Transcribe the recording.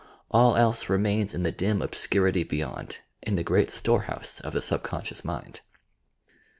All else re mains in the dim obscurity beyond, in the great store house of the subconscious mind.